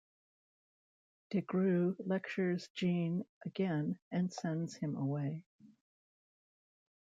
Des Grieux lectures Jean again and sends him away.